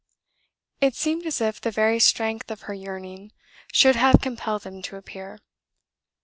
It seemed as if the very strength of her yearning should have compelled them to appear.